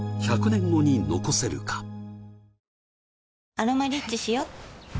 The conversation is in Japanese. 「アロマリッチ」しよ